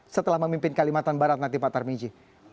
setelah memimpin kalimantan barat nanti pak sutar miji